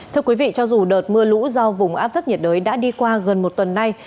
thưa quý vị cho dù đợt mưa lũ do vùng áp thấp nhiệt đới đã đi qua gần một tuần nay